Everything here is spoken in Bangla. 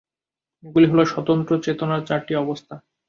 এগুলি হল স্বতন্ত্র চেতনার চারটি অবস্থা।